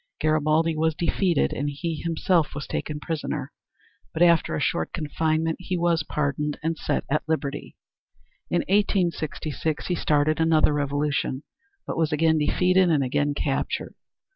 Garibaldi was defeated and he himself was taken prisoner, but after a short confinement he was pardoned and set at liberty. In 1866 he started another revolution but was again defeated and again captured.